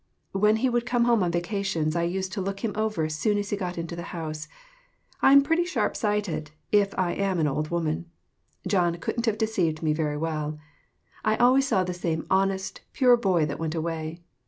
When he would come home on vacations I used to look him over as soon as he got in the house. I'm pretty sharp sighted, if I am an old woman. John couldn't have deceived me very well. I always saw the same honest, pure boy that went away.